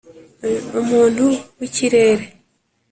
umuntu w’ikirere.